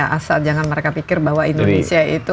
asal jangan mereka pikir bahwa indonesia itu